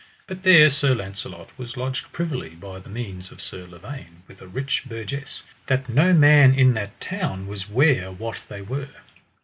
But there Sir Launcelot was lodged privily by the means of Sir Lavaine with a rich burgess, that no man in that town was ware what they were.